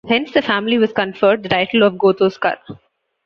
Hence the family was conferred the title of Gothoskar.